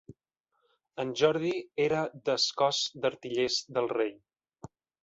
En Jordi era des cos d'artillers del rei.